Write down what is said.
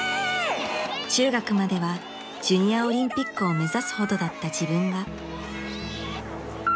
［中学まではジュニアオリンピックを目指すほどだった自分が］